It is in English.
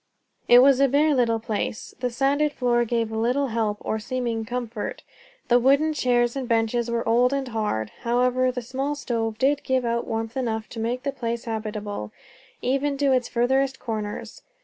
It was a bare little place. The sanded floor gave little help or seeming of comfort; the wooden chairs and benches were old and hard; however, the small stove did give out warmth enough to make the place habitable, even to its furthest corners.